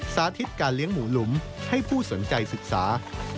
สาธิตการเลี้ยงหมูหลุมให้ผู้สนใจศึกษา